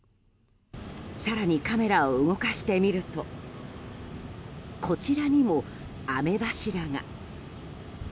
更にカメラを動かしてみるとこちらにも雨柱が。